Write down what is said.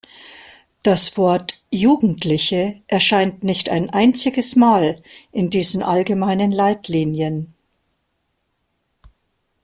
Das Wort "Jugendliche" erscheint nicht ein einziges Mal in diesen allgemeinen Leitlinien.